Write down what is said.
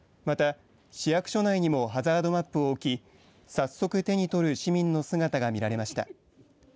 また市役所内にもハザードマップを置き早速、手に取る市民の姿が見られました。